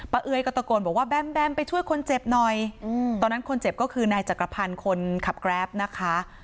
เอ้ยก็ตะโกนบอกว่าแบมแบมไปช่วยคนเจ็บหน่อยตอนนั้นคนเจ็บก็คือนายจักรพันธ์คนขับแกรปนะคะ